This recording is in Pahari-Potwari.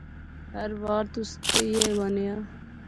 ہر وار تس ایئی بانے آ